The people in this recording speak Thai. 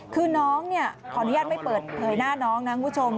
คือน้องขออนุญาตไม่เปิดเผยหน้าน้องนะคุณผู้ชม